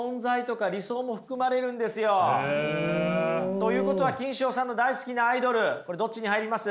ということはキンショウさんの大好きなアイドルこれどっちに入ります？